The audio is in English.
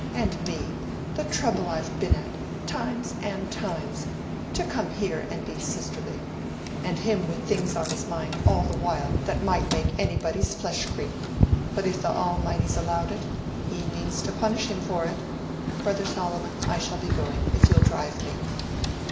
And me—the trouble I've been at, times and times, to come here and be sisterly—and him with things on his mind all the while that might make anybody's flesh creep. But if the Almighty's allowed it, he means to punish him for it. Brother Solomon, I shall be going, if you'll drive me."